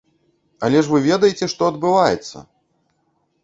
Але ж вы ведаеце, што адбываецца!